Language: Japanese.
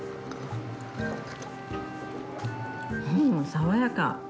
うん爽やか。